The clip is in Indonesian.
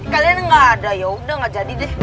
kalian nggak ada yaudah gak jadi deh